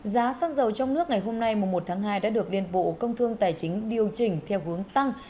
giá xăng dầu trong nước ngày hôm nay đã được liên bộ công thương tài chính điều chỉnh theo hướng tăng